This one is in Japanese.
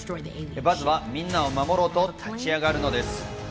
バズはみんなを守ろうと立ち上がるのです。